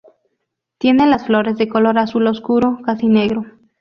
Tiene las flores de color azul oscuro casi negro.